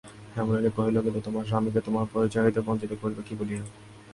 হেমনলিনী কহিল, কিন্তু তোমার স্বামীকে তোমার পরিচয় হইতে বঞ্চিত করিবে কী বলিয়া।